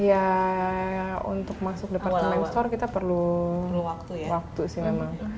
ya untuk masuk departemen store kita perlu waktu sih memang